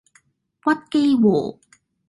屈機喎!